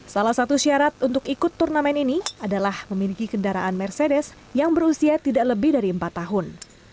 salah satu syarat untuk ikut turnamen ini adalah memiliki kendaraan mercedes yang berusia tidak lebih dari empat tahun